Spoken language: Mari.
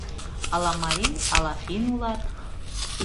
Ала марий, ала финн улат.